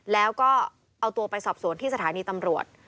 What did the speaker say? แล้วก็เอาตัวไปสอบสวนที่สถานีตำรวจ